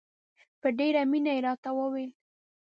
په ډېره مینه یې راته وویل.